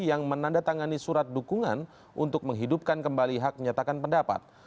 yang menandatangani surat dukungan untuk menghidupkan kembali hak menyatakan pendapat